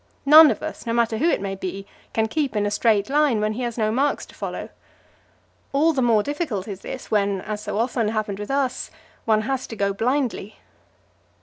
None of us no matter who it may be can keep in a straight line, when he has no marks to follow. All the more difficult is this when, as so often happened with us, one has to go blindly.